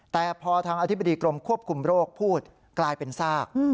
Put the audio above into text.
แต่พอทางอธิบดีกรมควบคุมโรคพูดกลายเป็นซาก